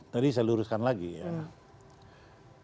jadi saya luruskan lagi ya